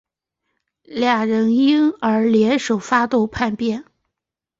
两人因而联手发动叛乱。